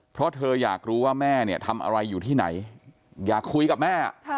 เพราะเธออยากรู้ว่าแม่เนี่ยทำอะไรอยู่ที่ไหนอยากคุยกับแม่